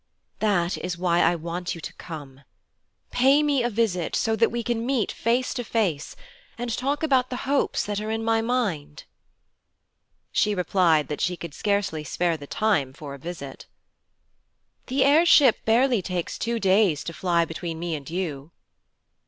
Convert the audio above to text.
That is why I want you to come. Pay me a visit, so that we can meet face to face, and talk about the hopes that are in my mind.' She replied that she could scarcely spare the time for a visit. 'The air ship barely takes two days to fly between me and you.'